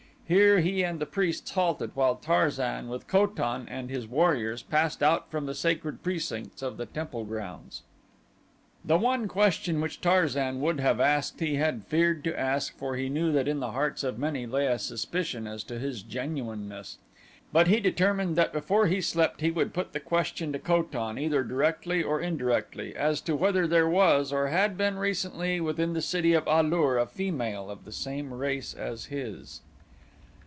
Here he and the priests halted while Tarzan with Ko tan and his warriors passed out from the sacred precincts of the temple grounds. The one question which Tarzan would have asked he had feared to ask for he knew that in the hearts of many lay a suspicion as to his genuineness, but he determined that before he slept he would put the question to Ko tan, either directly or indirectly as to whether there was, or had been recently within the city of A lur a female of the same race as his.